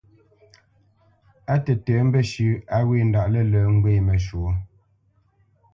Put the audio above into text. Á tətə̌ mbəshʉ̂ a wě ndaʼ lə̂lə̄ ŋgwě məshwǒ.